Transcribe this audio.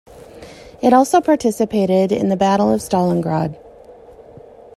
It also participated in the Battle of Stalingrad.